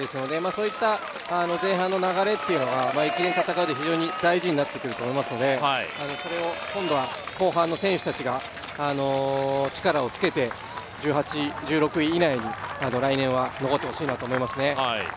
そういった前半の流れというのが、駅伝を戦ううえで非常に大事になってくると思いますので、それを今度は後半の選手たちが力をつけて１６位以内に来年は残ってほしいなと思いますね。